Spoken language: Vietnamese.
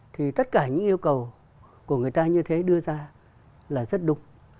thì tất cả những yêu cầu của người ta như thế đưa ra là rất đúng